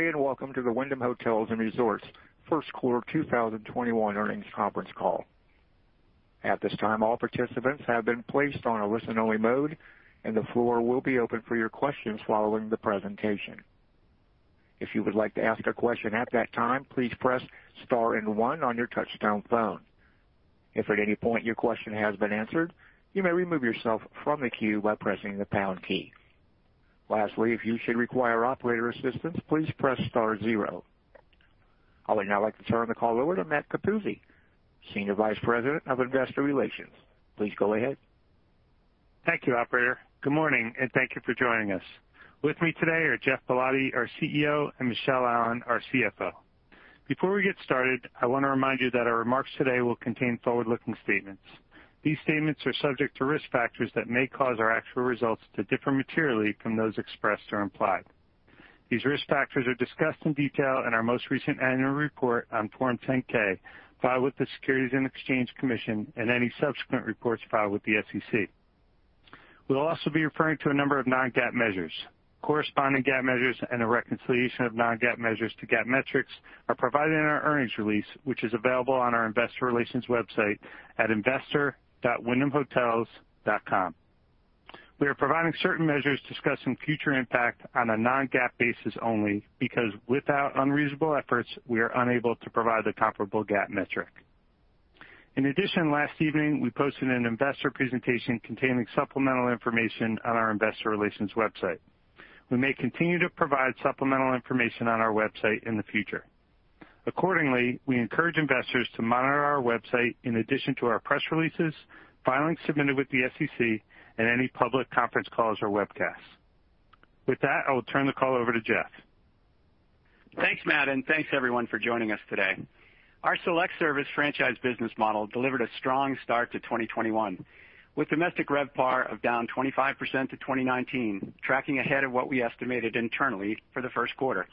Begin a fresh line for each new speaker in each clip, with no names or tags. day and welcome to the Wyndham Hotels & Resorts First Quarter 2021 earnings conference call. At this time, all participants have been placed on a listen-only mode, and the floor will be open for your questions following the presentation. If you would like to ask a question at that time, please press star and one on your touch-tone phone. If at any point your question has been answered, you may remove yourself from the queue by pressing the pound key. Lastly, if you should require operator assistance, please press star zero. I would now like to turn the call over to Matt Capuzzi, Senior Vice President of Investor Relations. Please go ahead.
Thank you, Operator. Good morning, and thank you for joining us. With me today are Geoff Ballotti, our CEO, and Michele Allen, our CFO. Before we get started, I want to remind you that our remarks today will contain forward-looking statements. These statements are subject to risk factors that may cause our actual results to differ materially from those expressed or implied. These risk factors are discussed in detail in our most recent annual report on Form 10-K, filed with the Securities and Exchange Commission, and any subsequent reports filed with the SEC. We'll also be referring to a number of non-GAAP measures. Corresponding GAAP measures and the reconciliation of non-GAAP measures to GAAP metrics are provided in our earnings release, which is available on our Investor Relations website at investor.wyndhamhotels.com. We are providing certain measures discussing future impact on a non-GAAP basis only because, without unreasonable efforts, we are unable to provide the comparable GAAP metric. In addition, last evening we posted an investor presentation containing supplemental information on our Investor Relations website. We may continue to provide supplemental information on our website in the future. Accordingly, we encourage investors to monitor our website in addition to our press releases, filings submitted with the SEC, and any public conference calls or webcasts. With that, I will turn the call over to Geoff.
Thanks, Matt, and thanks, everyone, for joining us today. Our select service franchise business model delivered a strong start to 2021, with domestic RevPAR down 25% to 2019, tracking ahead of what we estimated internally for the first quarter,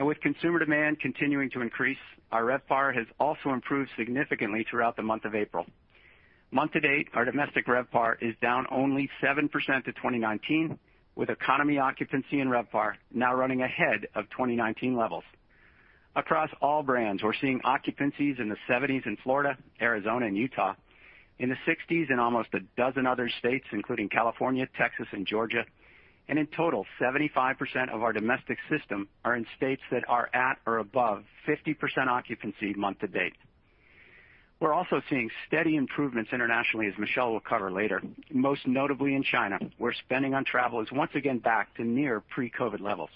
and with consumer demand continuing to increase, our RevPAR has also improved significantly throughout the month of April. Month to date, our domestic RevPAR is down only 7% to 2019, with economy occupancy and RevPAR now running ahead of 2019 levels. Across all brands, we're seeing occupancies in the 70s in Florida, Arizona, and Utah. In the 60s in almost a dozen other states, including California, Texas, and Georgia. In total, 75% of our domestic system are in states that are at or above 50% occupancy month to date. We're also seeing steady improvements internationally, as Michele will cover later, most notably in China, where spending on travel is once again back to near pre-COVID levels.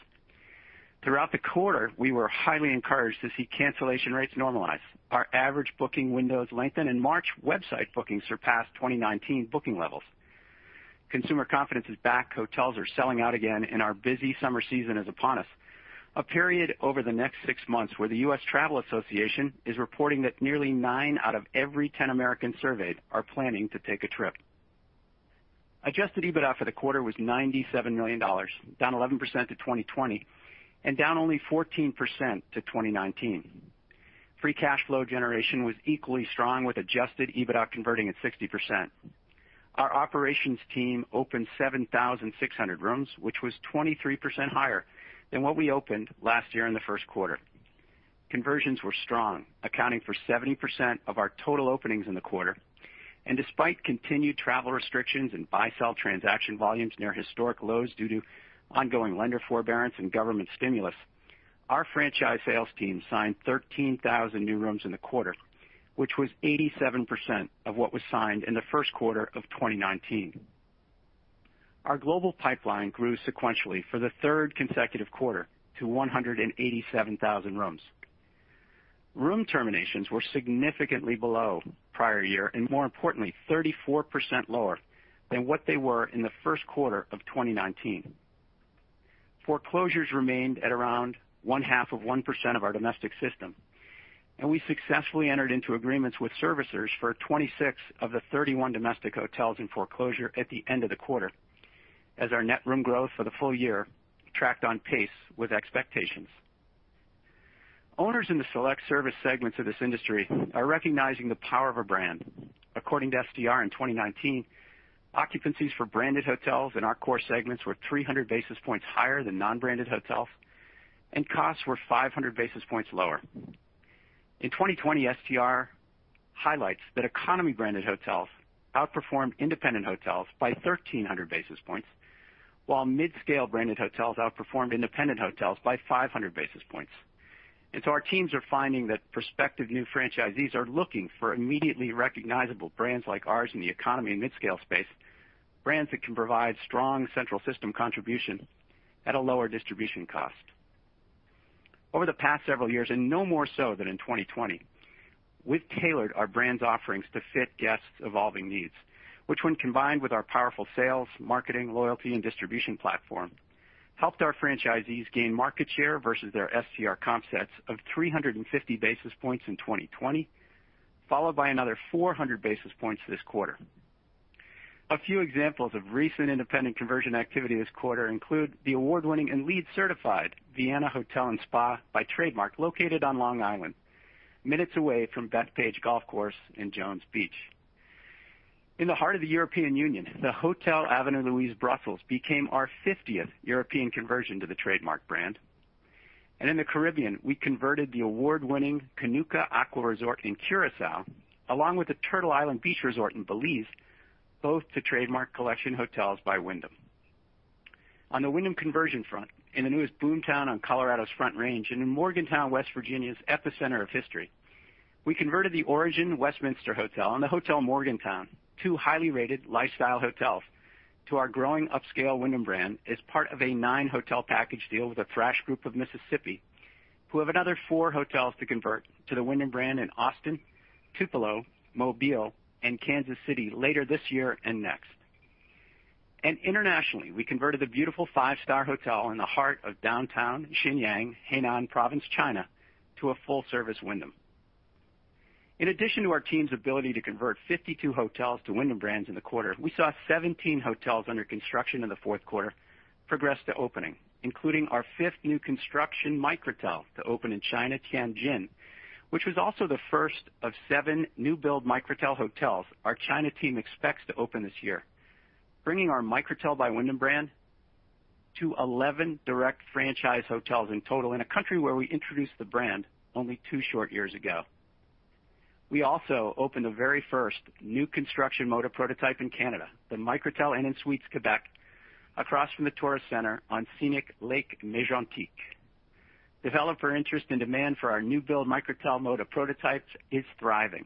Throughout the quarter, we were highly encouraged to see cancellation rates normalize. Our average booking windows lengthened, and March website bookings surpassed 2019 booking levels. Consumer confidence is back. Hotels are selling out again, and our busy summer season is upon us, a period over the next six months where the U.S. Travel Association is reporting that nearly nine out of every 10 Americans surveyed are planning to take a trip. Adjusted EBITDA for the quarter was $97 million, down 11% to 2020, and down only 14% to 2019. Free cash flow generation was equally strong, with adjusted EBITDA converting at 60%. Our operations team opened 7,600 rooms, which was 23% higher than what we opened last year in the first quarter. Conversions were strong, accounting for 70% of our total openings in the quarter. And despite continued travel restrictions and buy/sell transaction volumes near historic lows due to ongoing lender forbearance and government stimulus, our franchise sales team signed 13,000 new rooms in the quarter, which was 87% of what was signed in the first quarter of 2019. Our global pipeline grew sequentially for the third consecutive quarter to 187,000 rooms. Room terminations were significantly below prior year and, more importantly, 34% lower than what they were in the first quarter of 2019. Foreclosures remained at around one half of 1% of our domestic system, and we successfully entered into agreements with servicers for 26 of the 31 domestic hotels in foreclosure at the end of the quarter, as our net room growth for the full year tracked on pace with expectations. Owners in the select service segments of this industry are recognizing the power of a brand. According to STR, in 2019, occupancies for branded hotels in our core segments were 300 basis points higher than non-branded hotels, and costs were 500 basis points lower. In 2020, STR highlights that economy-branded hotels outperformed independent hotels by 1,300 basis points, while mid-scale branded hotels outperformed independent hotels by 500 basis points, and so our teams are finding that prospective new franchisees are looking for immediately recognizable brands like ours in the economy and mid-scale space, brands that can provide strong central system contribution at a lower distribution cost. Over the past several years, and no more so than in 2020, we've tailored our brand's offerings to fit guests' evolving needs, which, when combined with our powerful sales, marketing, loyalty, and distribution platform, helped our franchisees gain market share versus their STR comp sets of 350 basis points in 2020, followed by another 400 basis points this quarter. A few examples of recent independent conversion activity this quarter include the award-winning and LEED-certified Viana Hotel & Spa by Trademark, located on Long Island, minutes away from Bethpage State Park Golf Course in Jones Beach. In the heart of the European Union, the Hotel Avenue Louise Brussels became our 50th European conversion to the Trademark brand, and in the Caribbean, we converted the award-winning Kunuku Aqua Resort in Curaçao, along with the Turtle Island Beach Resort in Belize, both to Trademark Collection hotels by Wyndham. On the Wyndham conversion front, in the newest boomtown on Colorado's Front Range and in Morgantown, West Virginia's epicenter of history, we converted the Origin Westminster Hotel and the Hotel Morgantown, two highly rated lifestyle hotels, to our growing upscale Wyndham brand as part of a nine-hotel package deal with The Thrash Group of Mississippi who have another four hotels to convert to the Wyndham brand in Austin, Tupelo, Mobile, and Kansas City later this year and next. Internationally, we converted the beautiful five-star hotel in the heart of downtown Xinyang, Henan Province, China, to a full-service Wyndham. In addition to our team's ability to convert 52 hotels to Wyndham brands in the quarter, we saw 17 hotels under construction in the fourth quarter progress to opening, including our fifth new construction Microtel to open in China, Tianjin, which was also the first of seven new-build Microtel hotels our China team expects to open this year, bringing our Microtel by Wyndham brand to 11 direct franchise hotels in total in a country where we introduced the brand only two short years ago. We also opened the very first new construction Moda prototype in Canada, the Microtel Inn & Suites Quebec, across from the Tourist Center on scenic Lake Mégantic. Development interest and demand for our new-build Microtel Moda prototypes is thriving,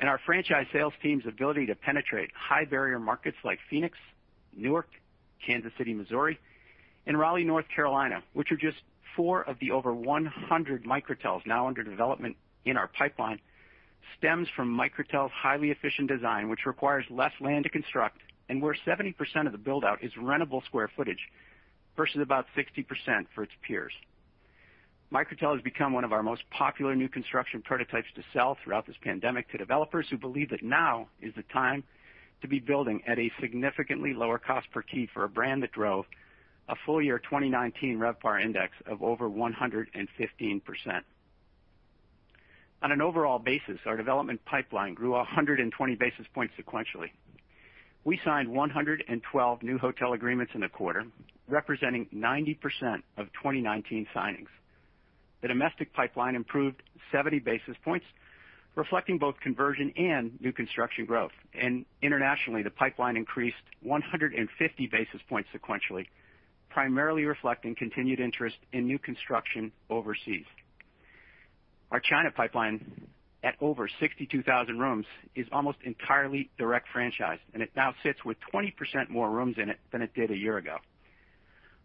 and our franchise sales team's ability to penetrate high-barrier markets like Phoenix, Newark, Kansas City, Missouri, and Raleigh, North Carolina, which are just four of the over 100 Microtels now under development in our pipeline, stems from Microtel's highly efficient design, which requires less land to construct, and where 70% of the build-out is rentable square footage versus about 60% for its peers. Microtel has become one of our most popular new construction prototypes to sell throughout this pandemic to developers who believe that now is the time to be building at a significantly lower cost per key for a brand that drove a full-year 2019 RevPAR index of over 115%. On an overall basis, our development pipeline grew 120 basis points sequentially. We signed 112 new hotel agreements in the quarter, representing 90% of 2019 signings. The domestic pipeline improved 70 basis points, reflecting both conversion and new construction growth, and internationally, the pipeline increased 150 basis points sequentially, primarily reflecting continued interest in new construction overseas. Our China pipeline, at over 62,000 rooms, is almost entirely direct franchised, and it now sits with 20% more rooms in it than it did a year ago.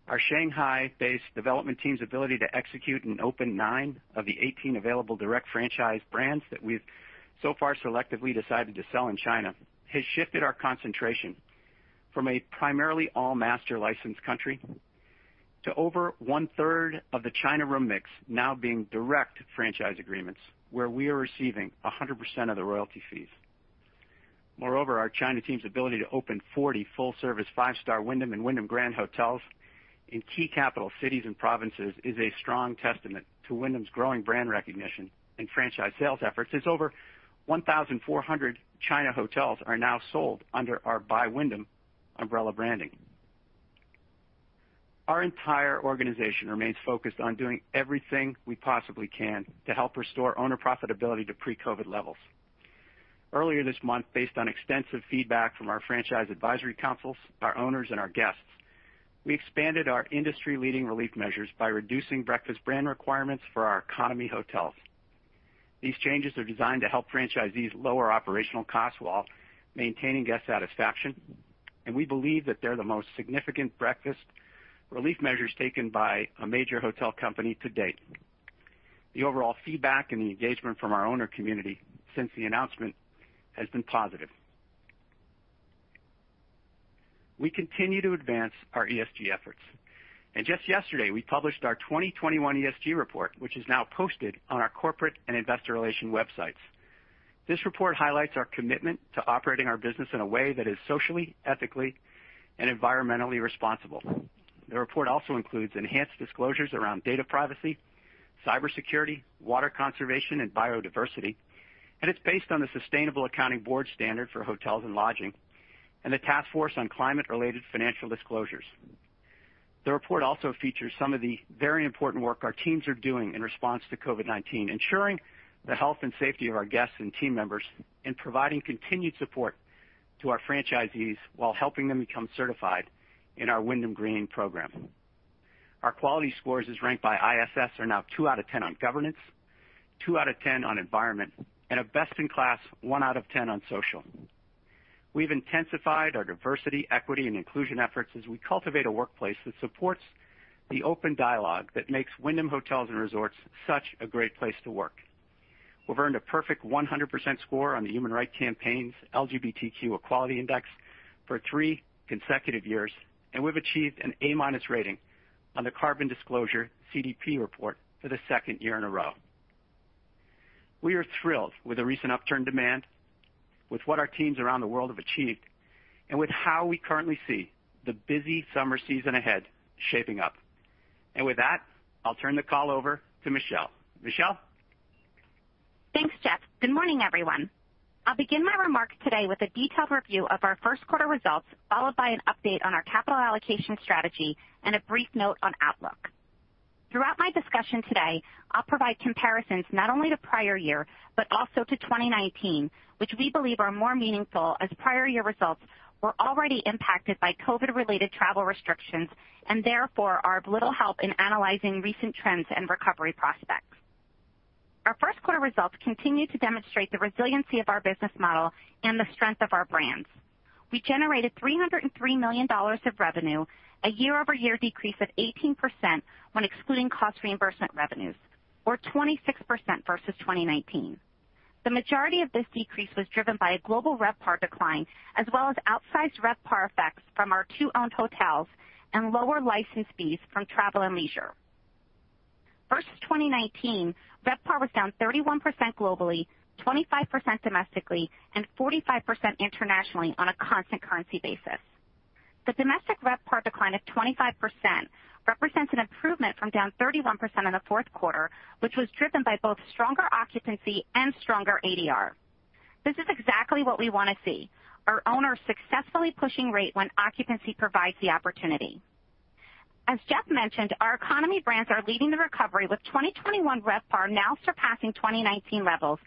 Our Shanghai-based development team's ability to execute and open nine of the 18 available direct franchise brands that we've so far selectively decided to sell in China has shifted our concentration from a primarily all-master licensed country to over one-third of the China room mix now being direct franchise agreements, where we are receiving 100% of the royalty fees. Moreover, our China team's ability to open 40 full-service five-star Wyndham and Wyndham Grand hotels in key capital cities and provinces is a strong testament to Wyndham's growing brand recognition and franchise sales efforts, as over 1,400 China hotels are now sold under our by Wyndham umbrella branding. Our entire organization remains focused on doing everything we possibly can to help restore owner profitability to pre-COVID levels. Earlier this month, based on extensive feedback from our franchise advisory councils, our owners, and our guests, we expanded our industry-leading relief measures by reducing breakfast brand requirements for our economy hotels. These changes are designed to help franchisees lower operational costs while maintaining guest satisfaction, and we believe that they're the most significant breakfast relief measures taken by a major hotel company to date. The overall feedback and the engagement from our owner community since the announcement has been positive. We continue to advance our ESG efforts, and just yesterday, we published our 2021 ESG report, which is now posted on our corporate and investor relations websites. This report highlights our commitment to operating our business in a way that is socially, ethically, and environmentally responsible. The report also includes enhanced disclosures around data privacy, cybersecurity, water conservation, and biodiversity, and it's based on the Sustainability Accounting Standards Board standard for hotels and lodging and the Task Force on Climate-Related Financial Disclosures. The report also features some of the very important work our teams are doing in response to COVID-19, ensuring the health and safety of our guests and team members and providing continued support to our franchisees while helping them become certified in our Wyndham Green program. Our quality scores, as ranked by ISS, are now 2 out of 10 on governance, 2 out of 10 on environment, and a best-in-class 1 out of 10 on social. We've intensified our diversity, equity, and inclusion efforts as we cultivate a workplace that supports the open dialogue that makes Wyndham Hotels & Resorts such a great place to work. We've earned a perfect 100% score on the Human Rights Campaign's LGBTQ Equality Index for three consecutive years, and we've achieved an A-rating on the Carbon Disclosure CDP report for the second year in a row. We are thrilled with the recent upturned demand, with what our teams around the world have achieved, and with how we currently see the busy summer season ahead shaping up. And with that, I'll turn the call over to Michele. Michele?
Thanks, Geoff. Good morning, everyone. I'll begin my remarks today with a detailed review of our first quarter results, followed by an update on our capital allocation strategy and a brief note on outlook. Throughout my discussion today, I'll provide comparisons not only to prior year but also to 2019, which we believe are more meaningful as prior year results were already impacted by COVID-related travel restrictions and therefore are of little help in analyzing recent trends and recovery prospects. Our first quarter results continue to demonstrate the resiliency of our business model and the strength of our brands. We generated $303 million of revenue, a year-over-year decrease of 18% when excluding cost reimbursement revenues, or 26% versus 2019. The majority of this decrease was driven by a global RevPAR decline, as well as outsized RevPAR effects from our two owned hotels and lower license fees from Travel + Leisure. Versus 2019, RevPAR was down 31% globally, 25% domestically, and 45% internationally on a constant currency basis. The domestic RevPAR decline of 25% represents an improvement from down 31% in the fourth quarter, which was driven by both stronger occupancy and stronger ADR. This is exactly what we want to see: our owners successfully pushing rate when occupancy provides the opportunity. As Geoff mentioned, our economy brands are leading the recovery, with 2021 RevPAR now surpassing 2019 levels,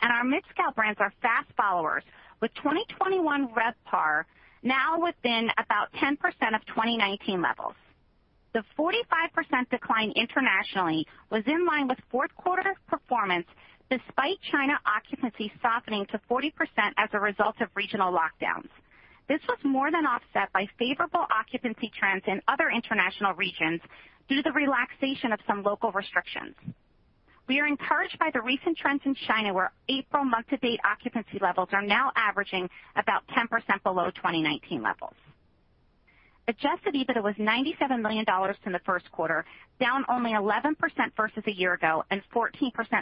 and our mid-scale brands are fast followers, with 2021 RevPAR now within about 10% of 2019 levels. The 45% decline internationally was in line with fourth quarter performance, despite China occupancy softening to 40% as a result of regional lockdowns. This was more than offset by favorable occupancy trends in other international regions due to the relaxation of some local restrictions. We are encouraged by the recent trends in China, where April month-to-date occupancy levels are now averaging about 10% below 2019 levels. Adjusted EBITDA was $97 million in the first quarter, down only 11% versus a year ago and 14%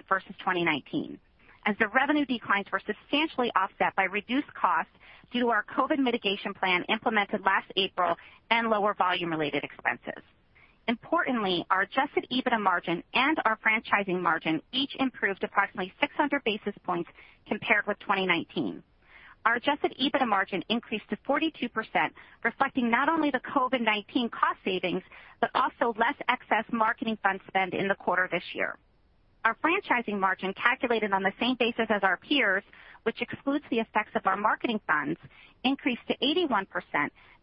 versus 2019, as the revenue declines were substantially offset by reduced costs due to our COVID mitigation plan implemented last April and lower volume-related expenses. Importantly, our adjusted EBITDA margin and our franchising margin each improved approximately 600 basis points compared with 2019. Our adjusted EBITDA margin increased to 42%, reflecting not only the COVID-19 cost savings but also less excess marketing fund spend in the quarter this year. Our franchising margin, calculated on the same basis as our peers, which excludes the effects of our marketing funds, increased to 81%,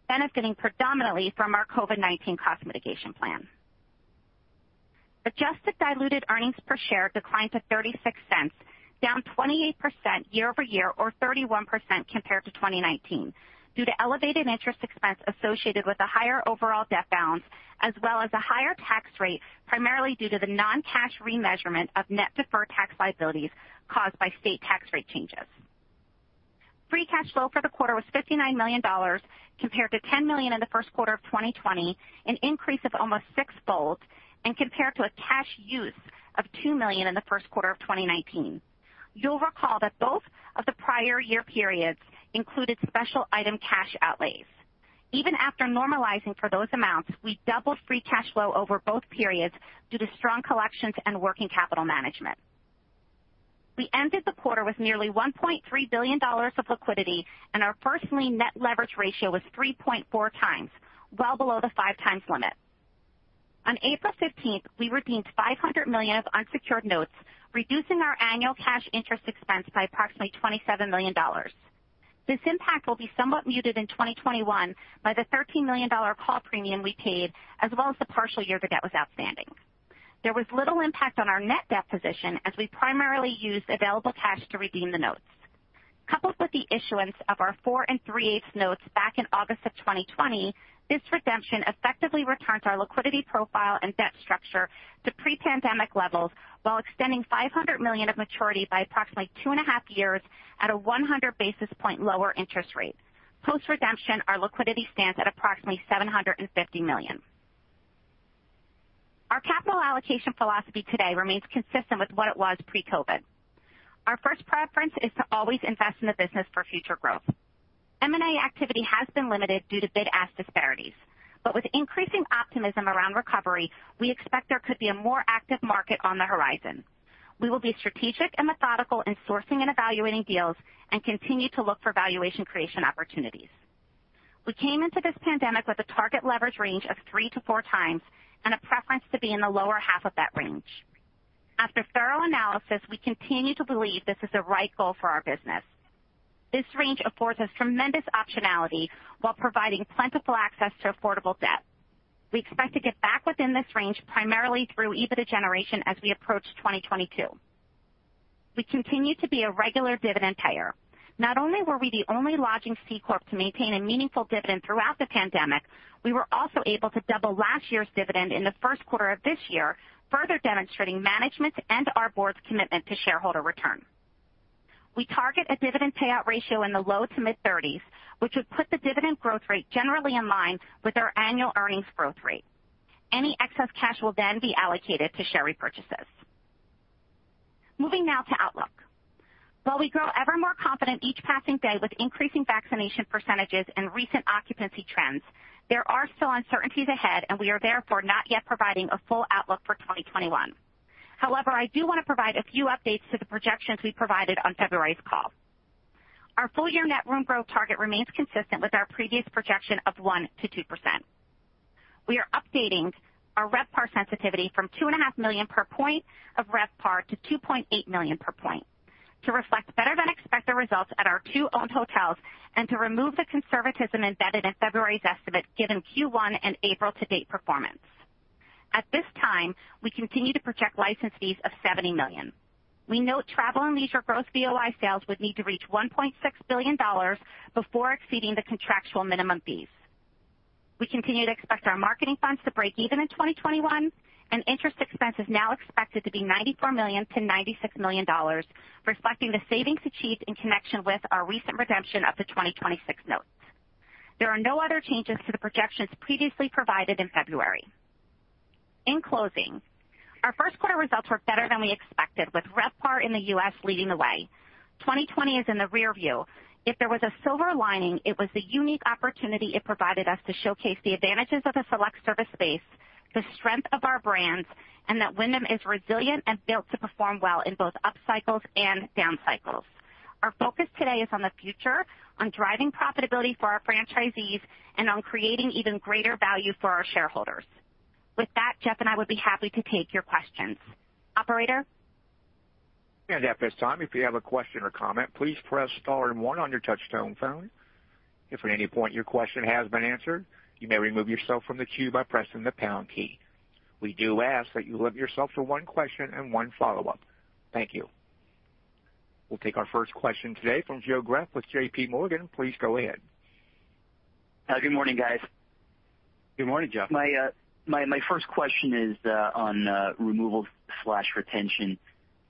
benefiting predominantly from our COVID-19 cost mitigation plan. Adjusted diluted earnings per share declined to $0.36, down 28% year-over-year, or 31% compared to 2019, due to elevated interest expense associated with a higher overall debt balance, as well as a higher tax rate, primarily due to the non-cash remeasurement of net deferred tax liabilities caused by state tax rate changes. Free cash flow for the quarter was $59 million compared to $10 million in the first quarter of 2020, an increase of almost sixfold, and compared to a cash use of $2 million in the first quarter of 2019. You'll recall that both of the prior year periods included special item cash outlays. Even after normalizing for those amounts, we doubled free cash flow over both periods due to strong collections and working capital management. We ended the quarter with nearly $1.3 billion of liquidity, and our first-lien net leverage ratio was 3.4 times, well below the five-times limit. On April 15th, we redeemed $500 million of unsecured notes, reducing our annual cash interest expense by approximately $27 million. This impact will be somewhat muted in 2021 by the $13 million call premium we paid, as well as the partial year-to-date that was outstanding. There was little impact on our net debt position, as we primarily used available cash to redeem the notes. Coupled with the issuance of our four and three-eighths notes back in August of 2020, this redemption effectively returns our liquidity profile and debt structure to pre-pandemic levels while extending $500 million of maturity by approximately two and a half years at a 100 basis points lower interest rate. Post-redemption, our liquidity stands at approximately $750 million. Our capital allocation philosophy today remains consistent with what it was pre-COVID. Our first preference is to always invest in the business for future growth. M&A activity has been limited due to bid-ask disparities, but with increasing optimism around recovery, we expect there could be a more active market on the horizon. We will be strategic and methodical in sourcing and evaluating deals and continue to look for valuation creation opportunities. We came into this pandemic with a target leverage range of three to four times and a preference to be in the lower half of that range. After thorough analysis, we continue to believe this is the right goal for our business. This range affords us tremendous optionality while providing plentiful access to affordable debt. We expect to get back within this range primarily through EBITDA generation as we approach 2022. We continue to be a regular dividend payer. Not only were we the only lodging C-Corp to maintain a meaningful dividend throughout the pandemic, we were also able to double last year's dividend in the first quarter of this year, further demonstrating management's and our board's commitment to shareholder return. We target a dividend payout ratio in the low to mid-30s, which would put the dividend growth rate generally in line with our annual earnings growth rate. Any excess cash will then be allocated to share repurchases. Moving now to outlook. While we grow ever more confident each passing day with increasing vaccination percentages and recent occupancy trends, there are still uncertainties ahead, and we are therefore not yet providing a full outlook for 2021. However, I do want to provide a few updates to the projections we provided on February's call. Our full-year net room growth target remains consistent with our previous projection of 1%-2%. We are updating our RevPAR sensitivity from $2.5 million per point of RevPAR to $2.8 million per point to reflect better-than-expected results at our two-owned hotels and to remove the conservatism embedded in February's estimate given Q1 and April-to-date performance. At this time, we continue to project license fees of $70 million. We note Travel + Leisure growth royalty sales would need to reach $1.6 billion before exceeding the contractual minimum fees. We continue to expect our marketing funds to break even in 2021, and interest expense is now expected to be $94 million-$96 million, reflecting the savings achieved in connection with our recent redemption of the 2026 notes. There are no other changes to the projections previously provided in February. In closing, our first quarter results were better than we expected, with RevPAR in the U.S. leading the way. 2020 is in the rearview. If there was a silver lining, it was the unique opportunity it provided us to showcase the advantages of a select service space, the strength of our brands, and that Wyndham is resilient and built to perform well in both upcycles and downcycles. Our focus today is on the future, on driving profitability for our franchisees, and on creating even greater value for our shareholders. With that, Geoff and I would be happy to take your questions. Operator?
At this time, if you have a question or comment, please press star and one on your touch-tone phone. If at any point your question has been answered, you may remove yourself from the queue by pressing the pound key. We do ask that you limit yourself to one question and one follow-up. Thank you. We'll take our first question today from Joe Greff with J.P. Morgan. Please go ahead.
Good morning, guys.
Good morning, Joe.
My first question is on removal/retention.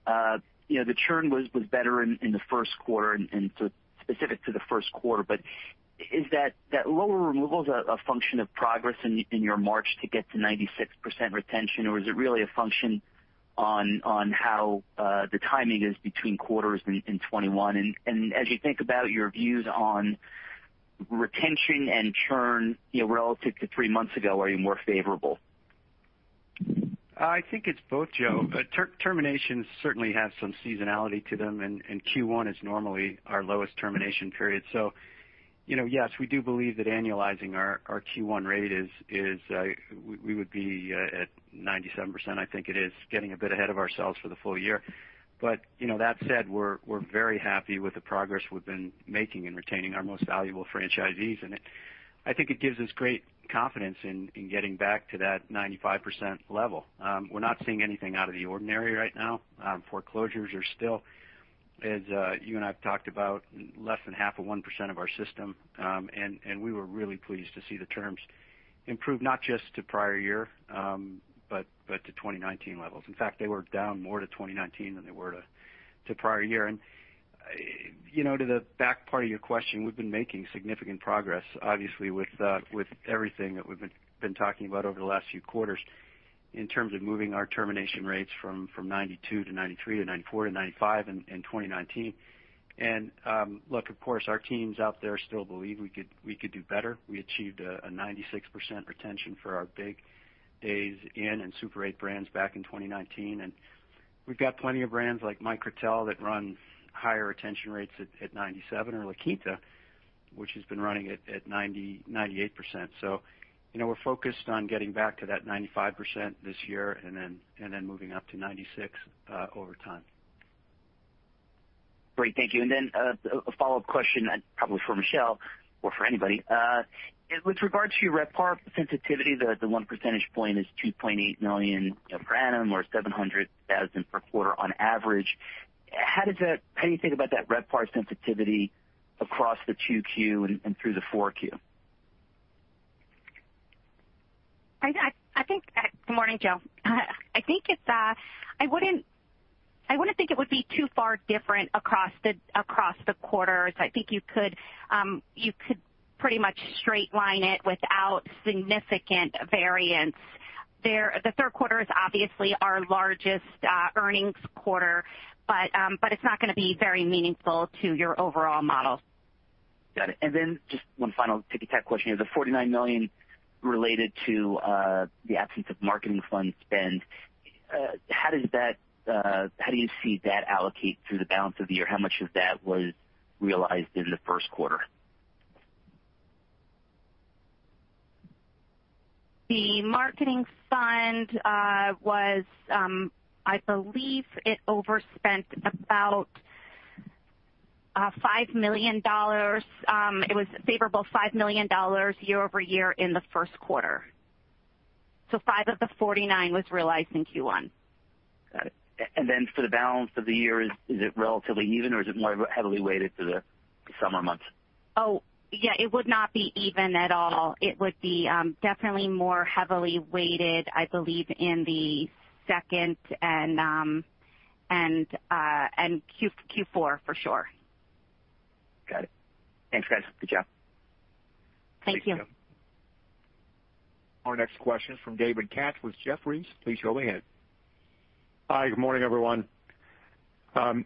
The churn was better in the first quarter and specific to the first quarter, but is that lower removal a function of progress in your march to get to 96% retention, or is it really a function on how the timing is between quarters in 2021? And as you think about your views on retention and churn relative to three months ago, are you more favorable?
I think it's both, Joe. Terminations certainly have some seasonality to them, and Q1 is normally our lowest termination period. So yes, we do believe that annualizing our Q1 rate is we would be at 97%. I think it is getting a bit ahead of ourselves for the full year. But that said, we're very happy with the progress we've been making in retaining our most valuable franchisees, and I think it gives us great confidence in getting back to that 95% level. We're not seeing anything out of the ordinary right now. Foreclosures are still, as you and I have talked about, less than 0.5% of our system, and we were really pleased to see the terms improve not just to prior year but to 2019 levels. In fact, they were down more to 2019 than they were to prior year. And to the back part of your question, we've been making significant progress, obviously, with everything that we've been talking about over the last few quarters in terms of moving our termination rates from 92 to 93 to 94 to 95 in 2019. And look, of course, our teams out there still believe we could do better. We achieved a 96% retention for our Days Inn and Super 8 brands back in 2019, and we've got plenty of brands like Microtel that run higher retention rates at 97%, or La Quinta, which has been running at 98%. So we're focused on getting back to that 95% this year and then moving up to 96% over time.
Great. Thank you. And then a follow-up question, probably for Michele or for anybody. With regard to RevPAR sensitivity, the one percentage point is $2.8 million per annum or $700,000 per quarter on average. How do you think about that RevPAR sensitivity across the QQ and through the 4Q?
I think, good morning, Joe. I think it's a—I wouldn't think it would be too far different across the quarters. I think you could pretty much straight-line it without significant variance. The third quarter is obviously our largest earnings quarter, but it's not going to be very meaningful to your overall model.
Got it. And then just one final ticker-type question. The $49 million related to the absence of marketing fund spend, how do you see that allocate through the balance of the year? How much of that was realized in the first quarter?
The marketing fund was, I believe, it overspent about $5 million. It was a favorable $5 million year-over-year in the first quarter, so five of the 49 was realized in Q1.
Got it. And then for the balance of the year, is it relatively even, or is it more heavily weighted to the summer months?
Oh, yeah, it would not be even at all. It would be definitely more heavily weighted, I believe, in the second and Q4 for sure.
Got it. Thanks, guys. Good job.
Thank you.
Thank you. Our next question is from David Katz with Jefferies. Please go ahead.
Hi, good morning, everyone. Among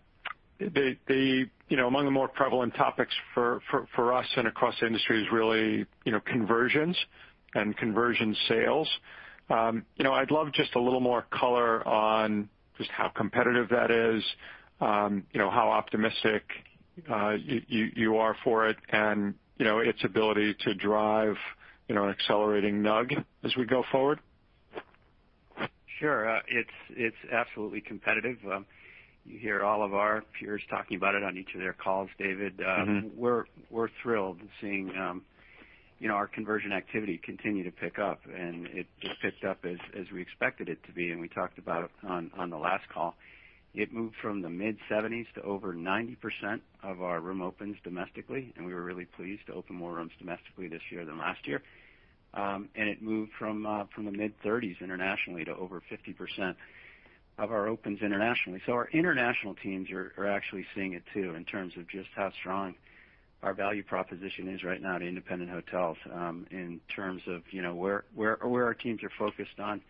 the more prevalent topics for us and across the industry is really conversions and conversion sales. I'd love just a little more color on just how competitive that is, how optimistic you are for it, and its ability to drive an accelerating NUG as we go forward.
Sure. It's absolutely competitive. You hear all of our peers talking about it on each of their calls, David. We're thrilled seeing our conversion activity continue to pick up, and it just picked up as we expected it to be. And we talked about it on the last call. It moved from the mid-70s to over 90% of our room opens domestically, and we were really pleased to open more rooms domestically this year than last year. And it moved from the mid-30s internationally to over 50% of our opens internationally. So our international teams are actually seeing it too in terms of just how strong our value proposition is right now to independent hotels in terms of where our teams are focused on.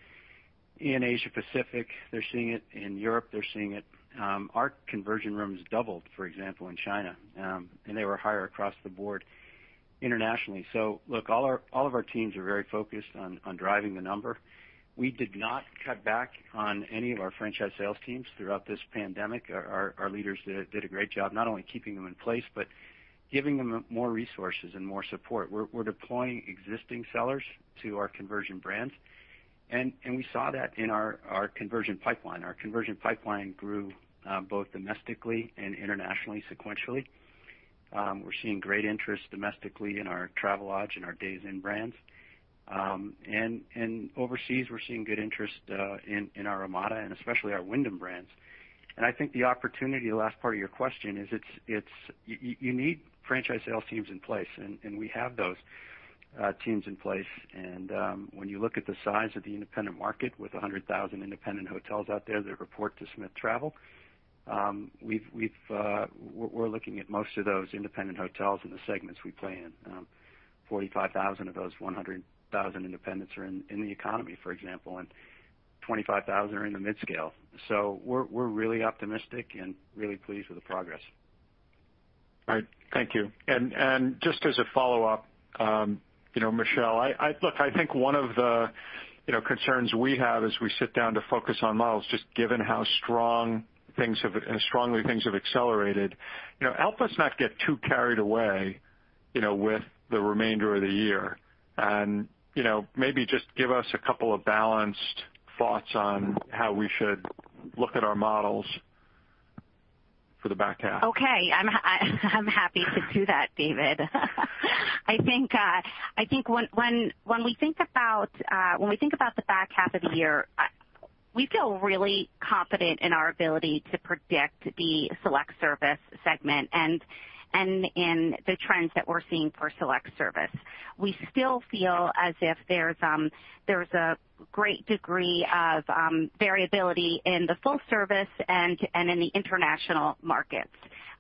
In Asia-Pacific, they're seeing it. In Europe, they're seeing it. Our conversion rooms doubled, for example, in China, and they were higher across the board internationally. So look, all of our teams are very focused on driving the number. We did not cut back on any of our franchise sales teams throughout this pandemic. Our leaders did a great job not only keeping them in place but giving them more resources and more support. We're deploying existing sellers to our conversion brands, and we saw that in our conversion pipeline. Our conversion pipeline grew both domestically and internationally sequentially. We're seeing great interest domestically in our Travelodge and our Days Inn brands. And overseas, we're seeing good interest in our Ramada and especially our Wyndham brands. And I think the opportunity, the last part of your question, is you need franchise sales teams in place, and we have those teams in place. When you look at the size of the independent market with 100,000 independent hotels out there that report to Smith Travel, we're looking at most of those independent hotels in the segments we play in. 45,000 of those 100,000 independents are in the economy, for example, and 25,000 are in the mid-scale. We're really optimistic and really pleased with the progress.
All right. Thank you. And just as a follow-up, Michele, look, I think one of the concerns we have as we sit down to focus on models, just given how strongly things have accelerated, help us not get too carried away with the remainder of the year. And maybe just give us a couple of balanced thoughts on how we should look at our models for the back half.
Okay. I'm happy to do that, David. I think when we think about the back half of the year, we feel really confident in our ability to predict the select service segment and in the trends that we're seeing for select service. We still feel as if there's a great degree of variability in the full-service and in the international markets,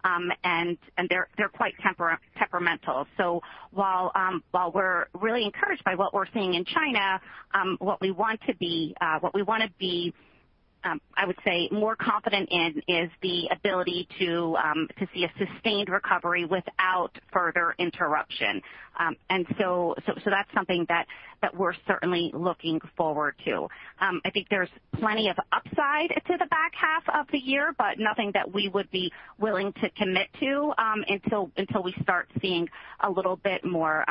and they're quite temperamental. So while we're really encouraged by what we're seeing in China, what we want to be, I would say, more confident in is the ability to see a sustained recovery without further interruption. And so that's something that we're certainly looking forward to. I think there's plenty of upside to the back half of the year, but nothing that we would be willing to commit to until we start seeing a little bit more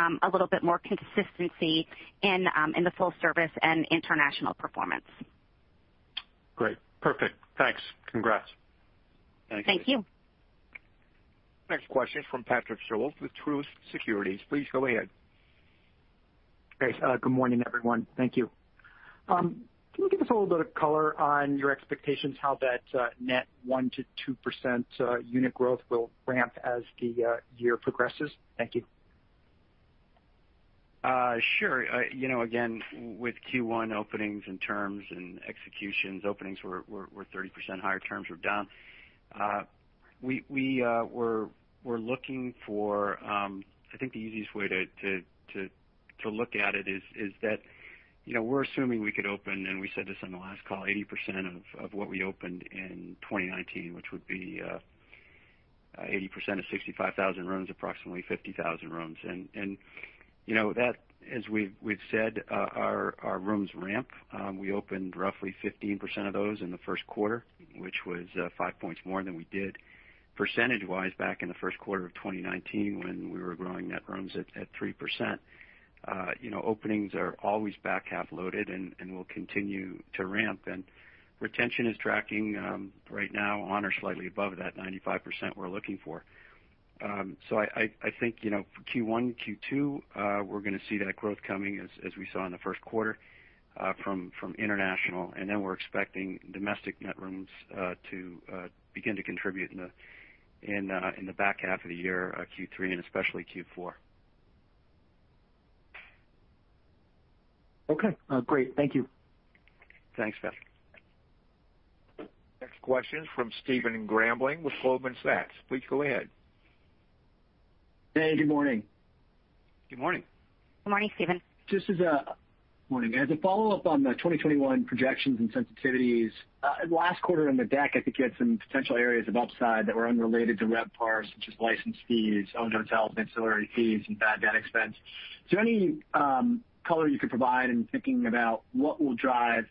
consistency in the full service and international performance.
Great. Perfect. Thanks. Congrats.
Thank you. Thank you.
Next question is from Patrick Scholes with Truist Securities. Please go ahead.
Hey, good morning, everyone. Thank you. Can you give us a little bit of color on your expectations, how that net 1-2% unit growth will ramp as the year progresses? Thank you.
Sure. Again, with Q1 openings and terms and executions, openings were 30% higher, terms were down. We were looking for. I think the easiest way to look at it is that we're assuming we could open, and we said this on the last call, 80% of what we opened in 2019, which would be 80% of 65,000 rooms, approximately 50,000 rooms. And that, as we've said, our rooms ramp. We opened roughly 15% of those in the first quarter, which was five points more than we did percentage-wise back in the first quarter of 2019 when we were growing net rooms at 3%. Openings are always back half loaded and will continue to ramp. And retention is tracking right now on or slightly above that 95% we're looking for. So I think Q1, Q2, we're going to see that growth coming as we saw in the first quarter from international. And then we're expecting domestic net rooms to begin to contribute in the back half of the year, Q3 and especially Q4.
Okay. Great. Thank you.
Thanks, Pat.
Next question is from Stephen Grambling with Goldman Sachs. Please go ahead.
Hey, good morning.
Good morning.
Good morning, Stephen.
Just this morning, as a follow-up on the 2021 projections and sensitivities, the last quarter in the deck, I think you had some potential areas of upside that were unrelated to RevPAR, such as license fees, owned hotels, ancillary fees, and bad debt expense. Is there any color you could provide in thinking about what will drive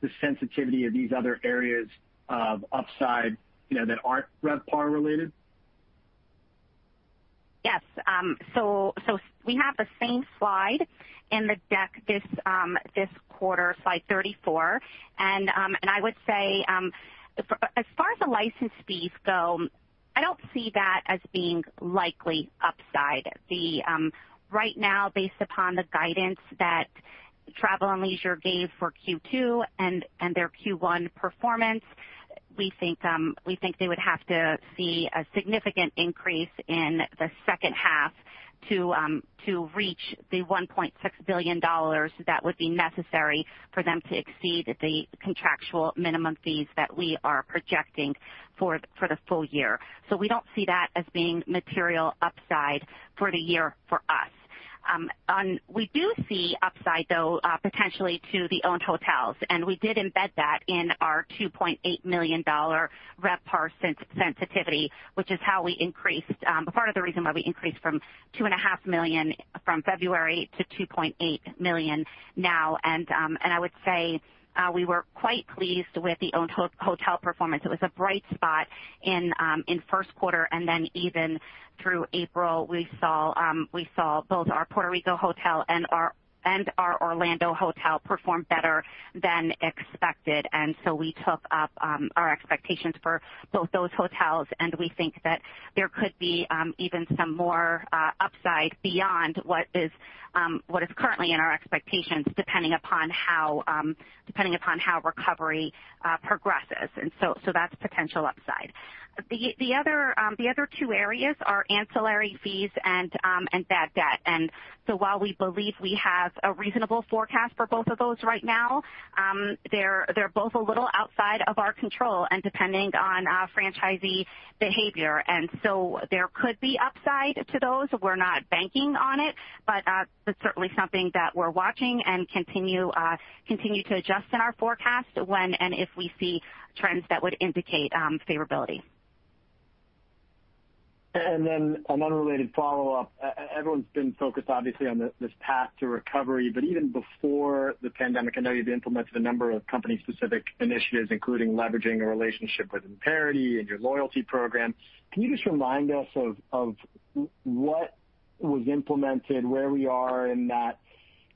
the sensitivity of these other areas of upside that aren't RevPAR related?
Yes. So we have the same slide in the deck this quarter, slide 34. And I would say as far as the license fees go, I don't see that as being likely upside. Right now, based upon the guidance that Travel + Leisure gave for Q2 and their Q1 performance, we think they would have to see a significant increase in the second half to reach the $1.6 billion that would be necessary for them to exceed the contractual minimum fees that we are projecting for the full year. So we don't see that as being material upside for the year for us. We do see upside, though, potentially to the owned hotels. And we did embed that in our $2.8 million RevPAR sensitivity, which is how we increased. Part of the reason why we increased from $2.5 million from February to $2.8 million now. And I would say we were quite pleased with the owned hotel performance. It was a bright spot in first quarter. And then even through April, we saw both our Puerto Rico hotel and our Orlando hotel perform better than expected. And so we took up our expectations for both those hotels. And we think that there could be even some more upside beyond what is currently in our expectations, depending upon how recovery progresses. And so that's potential upside. The other two areas are ancillary fees and bad debt. And so while we believe we have a reasonable forecast for both of those right now, they're both a little outside of our control and depending on franchisee behavior. And so there could be upside to those. We're not banking on it, but that's certainly something that we're watching and continue to adjust in our forecast when and if we see trends that would indicate favorability.
And then an unrelated follow-up. Everyone's been focused, obviously, on this path to recovery. But even before the pandemic, I know you've implemented a number of company-specific initiatives, including leveraging a relationship with Amperity and your loyalty program. Can you just remind us of what was implemented, where we are in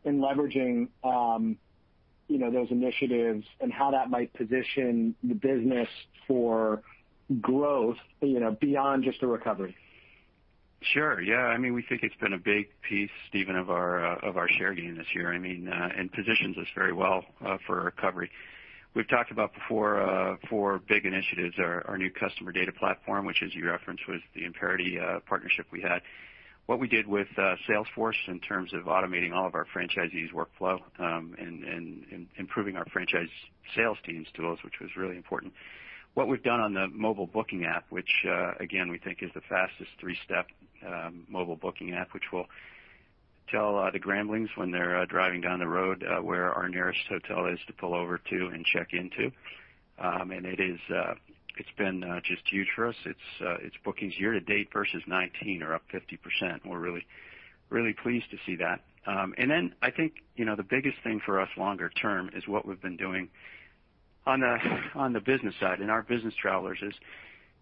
leveraging those initiatives, and how that might position the business for growth beyond just a recovery?
Sure. Yeah. I mean, we think it's been a big piece, Stephen, of our share gain this year. I mean, it positions us very well for recovery. We've talked about before four big initiatives: our new customer data platform, which, as you referenced, was the Amperity partnership we had; what we did with Salesforce in terms of automating all of our franchisees' workflow and improving our franchise sales teams to those, which was really important; what we've done on the mobile booking app, which, again, we think is the fastest three-step mobile booking app, which will tell the Gramblings when they're driving down the road where our nearest hotel is to pull over to and check into, and it's been just huge for us. It's bookings year to date versus 2019 are up 50%. We're really, really pleased to see that. And then I think the biggest thing for us longer term is what we've been doing on the business side. And our business travelers,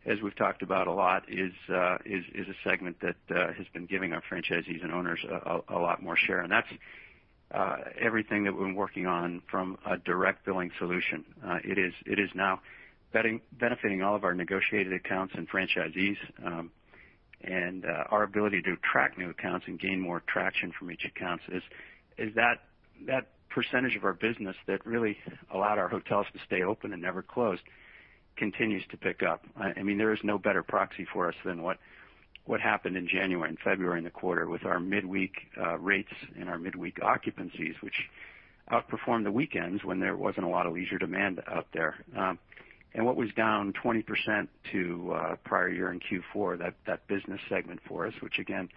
as we've talked about a lot, is a segment that has been giving our franchisees and owners a lot more share. And that's everything that we've been working on from a direct billing solution. It is now benefiting all of our negotiated accounts and franchisees. And our ability to track new accounts and gain more traction from each account is that percentage of our business that really allowed our hotels to stay open and never closed, continues to pick up. I mean, there is no better proxy for us than what happened in January and February in the quarter with our midweek rates and our midweek occupancies, which outperformed the weekends when there wasn't a lot of leisure demand out there. And what was down 20% to prior year in Q4, that business segment for us, which, again,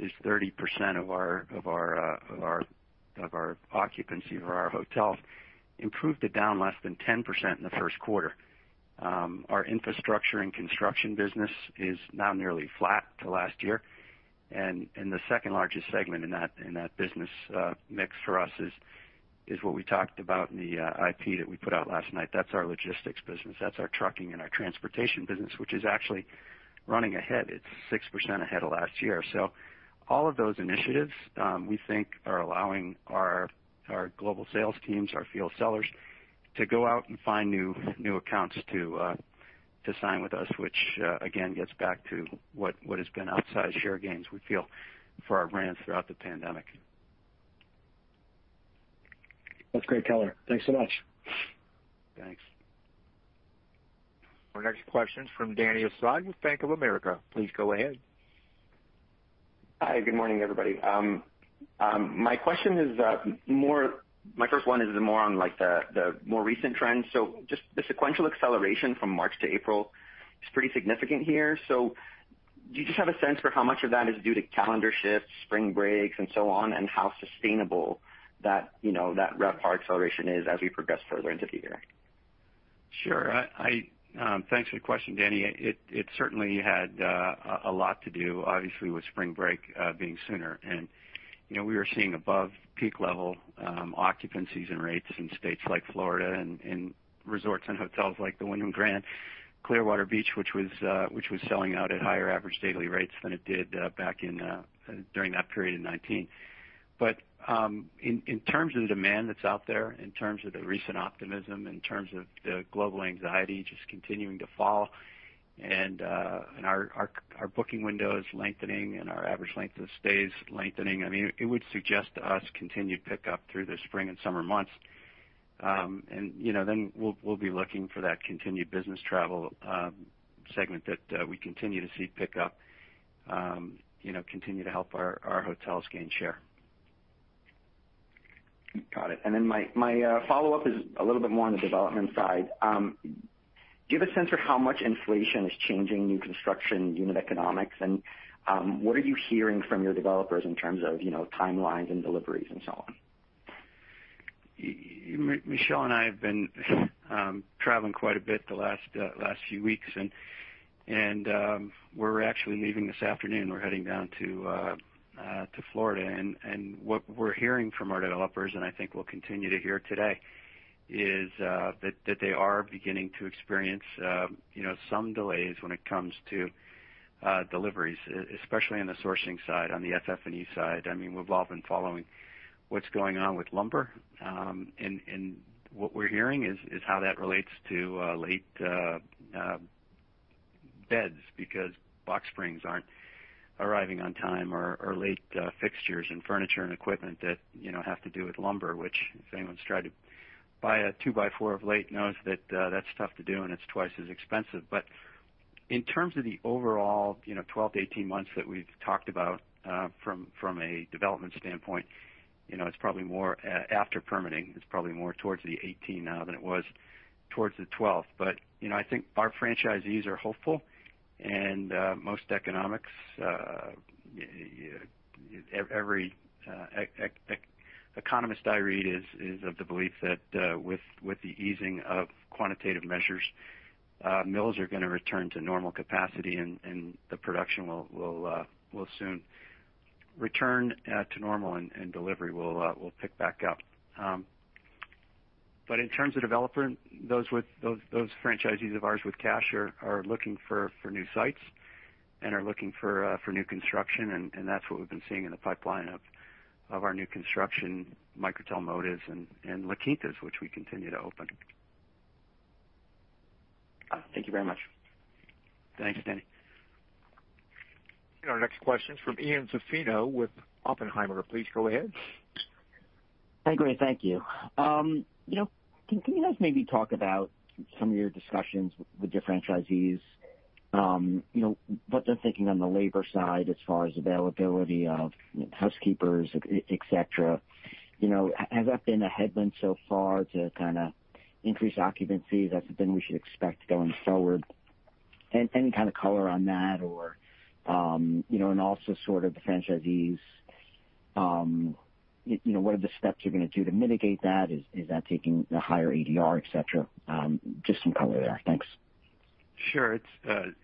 is 30% of our occupancy for our hotels, improved to down less than 10% in the first quarter. Our infrastructure and construction business is now nearly flat to last year. And the second largest segment in that business mix for us is what we talked about in the IP that we put out last night. That's our logistics business. That's our trucking and our transportation business, which is actually running ahead. It's 6% ahead of last year. So all of those initiatives, we think, are allowing our global sales teams, our field sellers, to go out and find new accounts to sign with us, which, again, gets back to what has been outside share gains we feel for our brands throughout the pandemic. That's great color. Thanks so much. Thanks.
Our next question is from Dany Asad with Bank of America. Please go ahead.
Hi. Good morning, everybody. My question is more. My first one is more on the more recent trends. So just the sequential acceleration from March to April is pretty significant here. So do you just have a sense for how much of that is due to calendar shifts, spring breaks, and so on, and how sustainable that RevPAR acceleration is as we progress further into the year?
Sure. Thanks for the question, Danny. It certainly had a lot to do, obviously, with spring break being sooner, and we were seeing above peak level occupancies and rates in states like Florida and resorts and hotels like the Wyndham Grand Clearwater Beach, which was selling out at higher average daily rates than it did back during that period in 2019, but in terms of the demand that's out there, in terms of the recent optimism, in terms of the global anxiety just continuing to fall, and our booking windows lengthening and our average length of stays lengthening, I mean, it would suggest to us continued pickup through the spring and summer months, and then we'll be looking for that continued business travel segment that we continue to see pick up, continue to help our hotels gain share.
Got it. And then my follow-up is a little bit more on the development side. Do you have a sense for how much inflation is changing new construction unit economics? And what are you hearing from your developers in terms of timelines and deliveries and so on?
Michele and I have been traveling quite a bit the last few weeks. And we're actually leaving this afternoon. We're heading down to Florida. And what we're hearing from our developers, and I think we'll continue to hear today, is that they are beginning to experience some delays when it comes to deliveries, especially on the sourcing side, on the FF&E side. I mean, we've all been following what's going on with lumber. And what we're hearing is how that relates to late beds because box springs aren't arriving on time or late fixtures and furniture and equipment that have to do with lumber, which if anyone's tried to buy a 2x4 of late knows that that's tough to do and it's twice as expensive. But in terms of the overall 12-18 months that we've talked about from a development standpoint, it's probably more after permitting. It's probably more towards the 18 now than it was towards the 12th. But I think our franchisees are hopeful. And most economists, every economist I read is of the belief that with the easing of quantitative measures, mills are going to return to normal capacity and the production will soon return to normal and delivery will pick back up. But in terms of development, those franchisees of ours with cash are looking for new sites and are looking for new construction. And that's what we've been seeing in the pipeline of our new construction, Microtel motels and La Quintas, which we continue to open.
Thank you very much.
Thanks, Danny.
Our next question is from Ian Zaffino with Oppenheimer. Please go ahead.
Hi, Geoff. Thank you. Can you guys maybe talk about some of your discussions with your franchisees? What they're thinking on the labor side as far as availability of housekeepers, etc.? Has that been a headwind so far to kind of increased occupancy? That's the thing we should expect going forward. And any kind of color on that? And also sort of the franchisees, what are the steps you're going to do to mitigate that? Is that taking a higher ADR, etc.? Just some color there. Thanks.
Sure.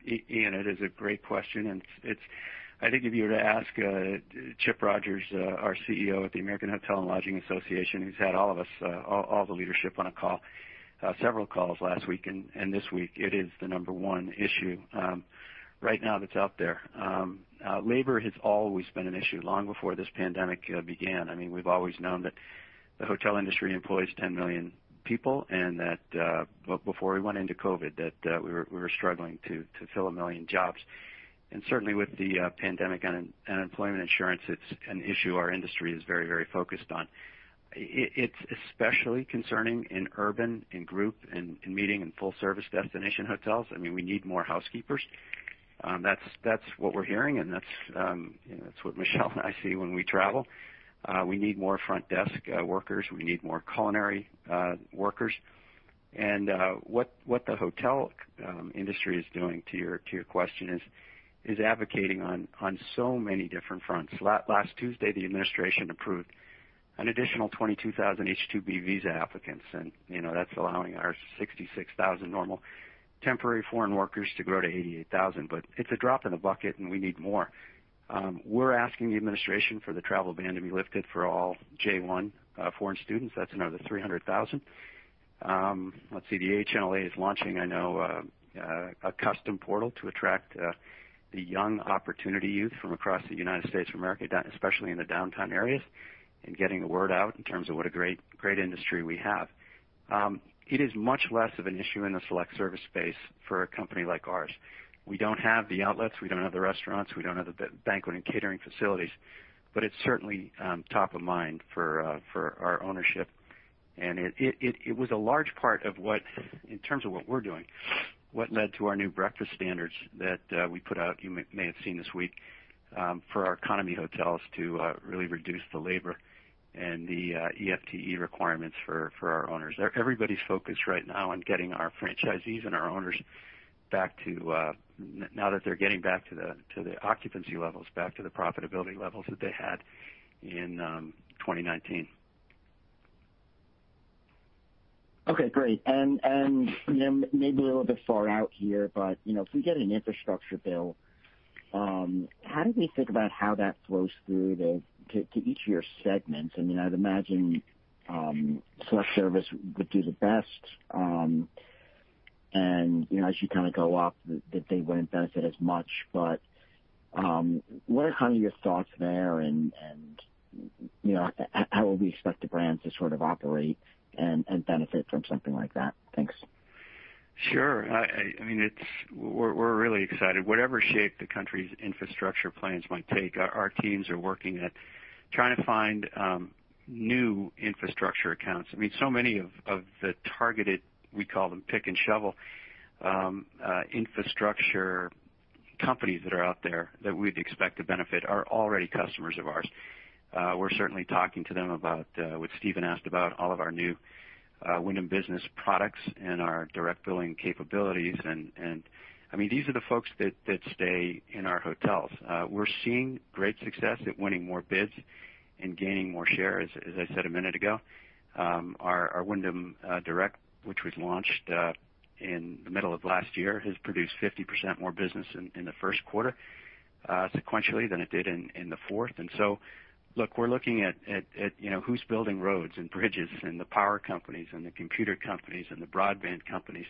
Ian, it is a great question. And I think if you were to ask Chip Rogers, our CEO at the American Hotel and Lodging Association, who's had all of us, all the leadership, on a call, several calls last week and this week, it is the number one issue right now that's out there. Labor has always been an issue long before this pandemic began. I mean, we've always known that the hotel industry employs 10 million people and that before we went into COVID, we were struggling to fill a million jobs. And certainly with the pandemic and unemployment insurance, it's an issue our industry is very, very focused on. It's especially concerning in urban and group and meeting and full-service destination hotels. I mean, we need more housekeepers. That's what we're hearing. And that's what Michele and I see when we travel. We need more front desk workers. We need more culinary workers. And what the hotel industry is doing, to your question, is advocating on so many different fronts. Last Tuesday, the administration approved an additional 22,000 H-2B visa applicants. And that's allowing our 66,000 normal temporary foreign workers to grow to 88,000. But it's a drop in the bucket, and we need more. We're asking the administration for the travel ban to be lifted for all J-1 foreign students. That's another 300,000. Let's see. The AHLA is launching, I know, a custom portal to attract the young opportunity youth from across the United States of America, especially in the downtown areas, and getting the word out in terms of what a great industry we have. It is much less of an issue in the select service space for a company like ours. We don't have the outlets. We don't have the restaurants. We don't have the banquet and catering facilities, but it's certainly top of mind for our ownership, and it was a large part of what, in terms of what we're doing, what led to our new breakfast standards that we put out, you may have seen this week, for our economy hotels to really reduce the labor and the FTE requirements for our owners. Everybody's focused right now on getting our franchisees and our owners back to now that they're getting back to the occupancy levels, back to the profitability levels that they had in 2019.
Okay. Great. And maybe a little bit far out here, but if we get an infrastructure bill, how do we think about how that flows through to each of your segments? I mean, I'd imagine select service would do the best. And as you kind of go up, that they wouldn't benefit as much. But what are kind of your thoughts there? And how will we expect the brands to sort of operate and benefit from something like that? Thanks.
Sure. I mean, we're really excited. Whatever shape the country's infrastructure plans might take, our teams are working at trying to find new infrastructure accounts. I mean, so many of the targeted, we call them pick and shovel infrastructure companies that are out there that we'd expect to benefit are already customers of ours. We're certainly talking to them about what Stephen asked about, all of our new Wyndham business products and our direct billing capabilities. And I mean, these are the folks that stay in our hotels. We're seeing great success at winning more bids and gaining more share, as I said a minute ago. Our Wyndham Direct, which was launched in the middle of last year, has produced 50% more business in the first quarter sequentially than it did in the fourth. And so, look, we're looking at who's building roads and bridges and the power companies and the computer companies and the broadband companies.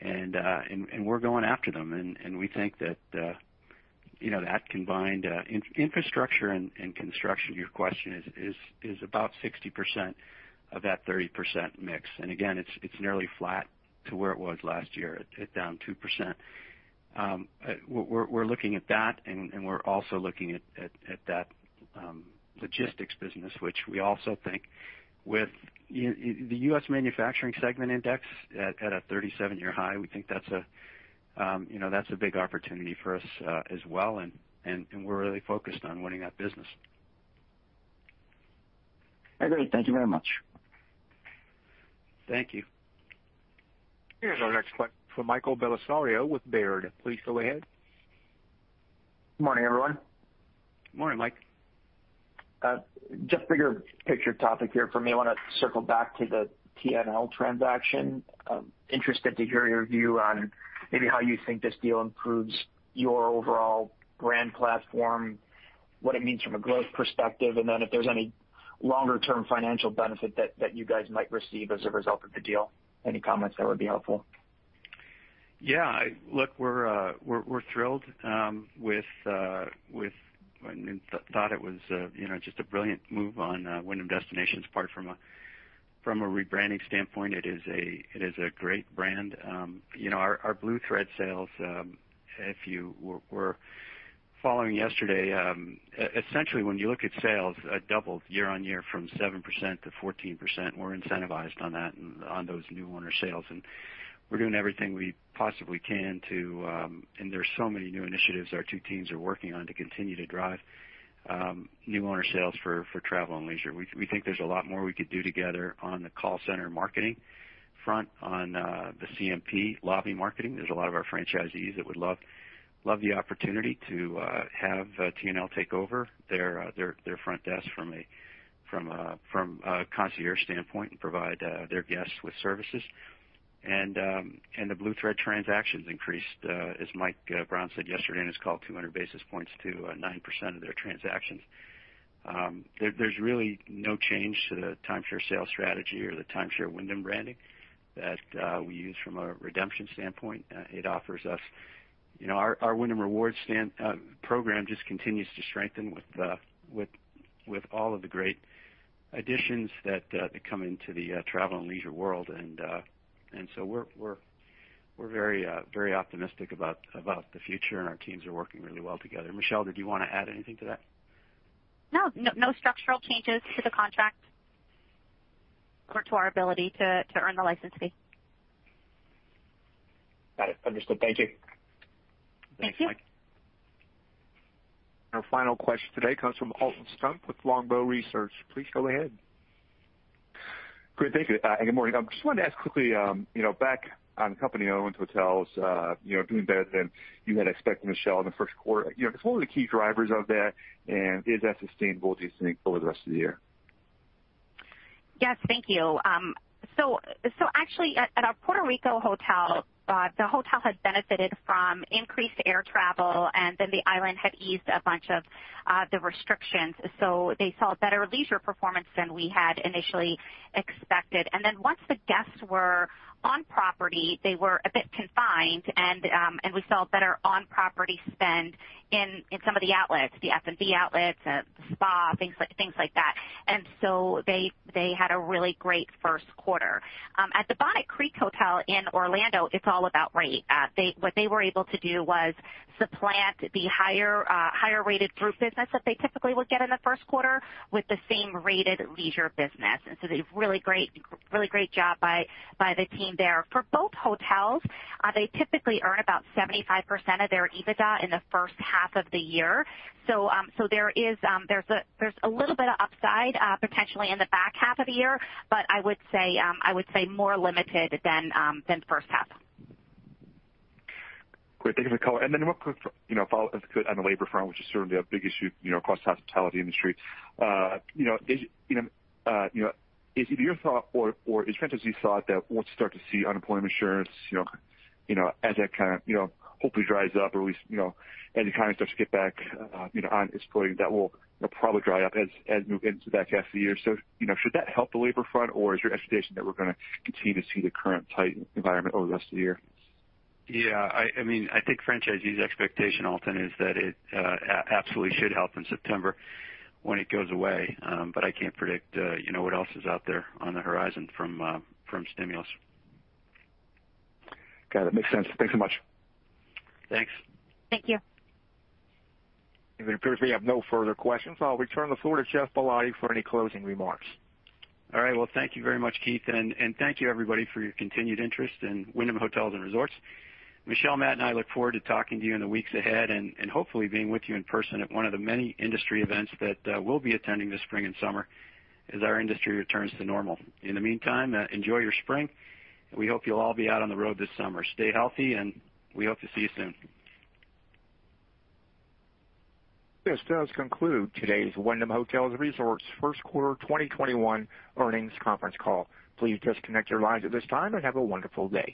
And we're going after them. And we think that that combined infrastructure and construction, your question, is about 60% of that 30% mix. And again, it's nearly flat to where it was last year, down 2%. We're looking at that. And we're also looking at that logistics business, which we also think, with the U.S. manufacturing segment index at a 37-year high, we think that's a big opportunity for us as well. And we're really focused on winning that business.
Great. Thank you very much.
Thank you.
Here's our next question from Michael Bellisario with Baird. Please go ahead.
Good morning, everyone.
Good morning, Mike.
Just bigger picture topic here for me. I want to circle back to the TNL transaction. Interested to hear your view on maybe how you think this deal improves your overall brand platform, what it means from a growth perspective, and then if there's any longer-term financial benefit that you guys might receive as a result of the deal. Any comments that would be helpful?
Yeah. Look, we're thrilled with, I mean, thought it was just a brilliant move on Wyndham Destinations, apart from a rebranding standpoint. It is a great brand. Our Blue Thread sales, if you were following yesterday, essentially when you look at sales, doubled year on year from 7% to 14%. We're incentivized on that and on those new owner sales. And we're doing everything we possibly can to and there's so many new initiatives our two teams are working on to continue to drive new owner sales for Travel + Leisure. We think there's a lot more we could do together on the call center marketing front, on the CMP lobby marketing. There's a lot of our franchisees that would love the opportunity to have TNL take over their front desk from a concierge standpoint and provide their guests with services. And the Blue Thread transactions increased, as Mike Brown said yesterday in his call, 200 basis points to 9% of their transactions. There's really no change to the timeshare sales strategy or the timeshare Wyndham branding that we use from a redemption standpoint. It offers us our Wyndham Rewards program just continues to strengthen with all of the great additions that come into the Travel + Leisure world. And so we're very optimistic about the future. And our teams are working really well together. Michele, did you want to add anything to that?
No. No structural changes to the contract or to our ability to earn the license fee.
Got it. Understood. Thank you.
Thank you, Mike. Our final question today comes from Alton Stump with Longbow Research. Please go ahead.
Great. Thank you. And good morning. I just wanted to ask quickly back on the company owning hotels, doing better than you had expected, Michele, in the first quarter. What were the key drivers of that? And is that sustainable, do you think, over the rest of the year?
Yes. Thank you. So actually, at our Puerto Rico hotel, the hotel had benefited from increased air travel. And then the island had eased a bunch of the restrictions. So they saw better leisure performance than we had initially expected. And then once the guests were on property, they were a bit confined. And we saw better on-property spend in some of the outlets, the F&B outlets, the spa, things like that. And so they had a really great first quarter. At the Bonnet Creek Hotel in Orlando, it's all about rate. What they were able to do was supplant the higher-rated group business that they typically would get in the first quarter with the same-rated leisure business. And so they did a really great job by the team there. For both hotels, they typically earn about 75% of their EBITDA in the first half of the year. So there's a little bit of upside potentially in the back half of the year, but I would say more limited than first half.
Great. Thank you for the call, and then real quick, if I could, on the labor front, which is certainly a big issue across the hospitality industry, is it your thought or is franchisees' thought that once you start to see unemployment insurance as that kind of hopefully dries up or at least as the economy starts to get back on its footing, that will probably dry up as we move into the back half of the year, so should that help the labor front, or is your expectation that we're going to continue to see the current tight environment over the rest of the year?
Yeah. I mean, I think franchisees' expectation, Alton, is that it absolutely should help in September when it goes away. But I can't predict what else is out there on the horizon from stimulus.
Got it. Makes sense. Thanks so much.
Thanks.
Thank you.
If it appears we have no further questions, I'll return the floor to Geoff Ballotti for any closing remarks.
All right. Well, thank you very much, Keith. And thank you, everybody, for your continued interest in Wyndham Hotels & Resorts. Michele, Matt, and I look forward to talking to you in the weeks ahead and hopefully being with you in person at one of the many industry events that we'll be attending this spring and summer as our industry returns to normal. In the meantime, enjoy your spring. We hope you'll all be out on the road this summer. Stay healthy. And we hope to see you soon.
This does conclude today's Wyndham Hotels & Resorts first quarter 2021 earnings conference call. Please disconnect your lines at this time and have a wonderful day.